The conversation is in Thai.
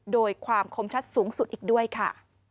โดยความคมชัดสูงสุดอีกด้วยค่ะ